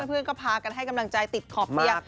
เพื่อนก็พากันให้กำลังใจติดขอบเตียง